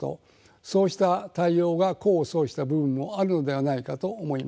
そうした対応が功を奏した部分もあるのではないかと思います。